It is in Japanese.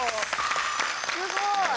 すごい！